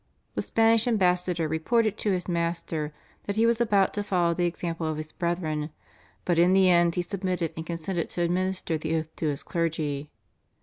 The Spanish ambassador reported to his master that he was about to follow the example of his brethren, but in the end he submitted and consented to administer the oath to his clergy.